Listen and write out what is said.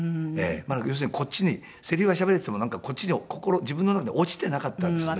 要するにこっちにセリフはしゃべれててもこっちの心自分の中に落ちてなかったですね